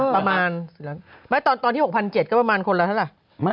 ประมาณตอนที่๖๗๐๐ก็ประมาณคนละทั้งละ